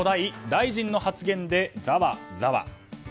大臣の発言でザワザワ。